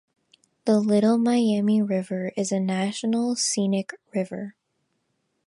The Little Miami River is a National Scenic River.